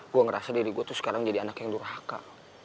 gue ngerasa diri gue tuh sekarang jadi anak yang durhaka